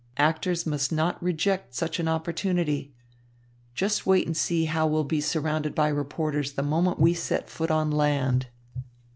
Actors must not reject such an opportunity. Just wait and see how we'll be surrounded by reporters the moment we set foot on land."